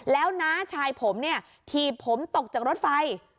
แล้วน้าชายผมเนี่ยถีบผมตกจากรถไฟ